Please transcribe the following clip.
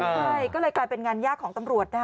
ใช่ก็เลยกลายเป็นงานยากของตำรวจนะคะ